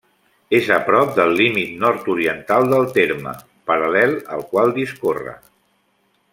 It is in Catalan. És a prop del límit nord-oriental del terme, paral·lel al qual discorre.